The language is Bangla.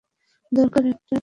দরকার একটা চাকুরির!